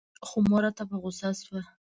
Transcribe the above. خو مور راته په غوسه سوه.